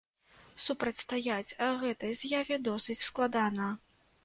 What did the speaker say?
Супрацьстаяць гэтай з'яве досыць складана.